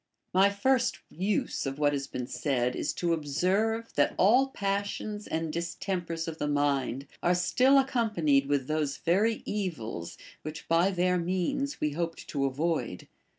My first use of what has been said is to observe, that all passions and distempers of the mind are still ac companied with those very evils which by their means we hoped to avoid.